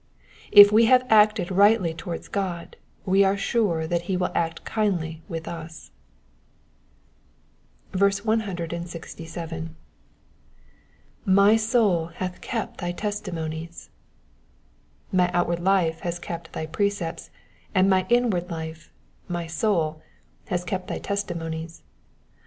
If we have acted rightly towards God we are sure that he will act kindly with us. 167. ^'^My soul hath kept thy testimonies.'*'' My outward life has kept thy Erecepts, and my inward hfe — my soul, has kept thy testimonies.